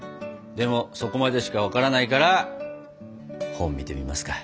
でもそこまでしか分からないから本見てみますか？